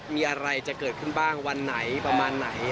มีอะไรจะเกิดขึ้นบ้างวันไหนประมาณไหน